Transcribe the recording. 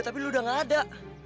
tapi lu udah gak ada